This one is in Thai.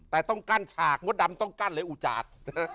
แต่ต้องกั้นฉากมดดำต้องกั้นเลยอุจาด